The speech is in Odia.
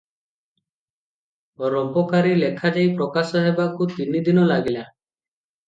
ରୋବକାରୀ ଲେଖାଯାଇ ପ୍ରକାଶ ହେବାକୁ ତିନିଦିନ ଲାଗିଲା ।